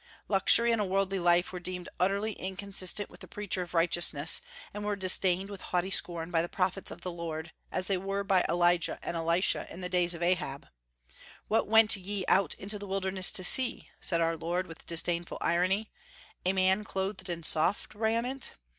Luxury and a worldly life were deemed utterly inconsistent with a preacher of righteousness, and were disdained with haughty scorn by the prophets of the Lord, as they were by Elijah and Elisha in the days of Ahab. "What went ye out in the wilderness to see?" said our Lord, with disdainful irony, "a man clothed in soft raiment?